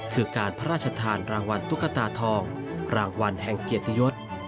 คือการพระราชทานรางวัลตุ๊กตาทองรางวัลแห่งเกียรติยศ